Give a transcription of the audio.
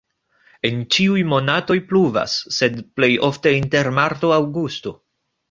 En ĉiuj monatoj pluvas, sed plej ofte inter marto-aŭgusto.